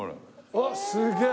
あっすげえ！